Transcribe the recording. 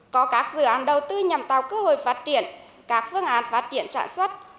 có các dự án đầu tư nhằm tạo cơ hội phát triển các vương án phát triển sản xuất